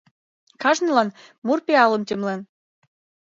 Кажнылан мур-пиалым темлен.